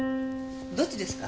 どっちですか？